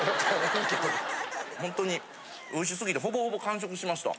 ほんとにおいしすぎてほぼほぼ完食しました。